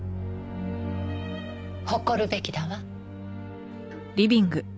誇るべきだわ。